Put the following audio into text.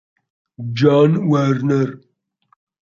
Jan Werner